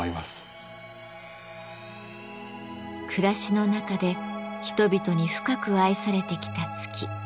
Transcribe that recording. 暮らしの中で人々に深く愛されてきた月。